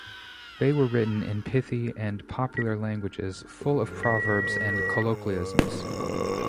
They were written in pithy and popular language, full of proverbs and colloquialisms.